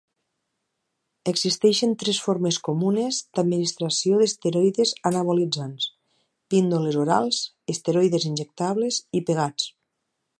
Existeixen tres formes comunes d'administració d'esteroides anabolitzants: píndoles orals, esteroides injectables i pegats.